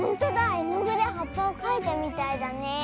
えのぐではっぱをかいたみたいだね。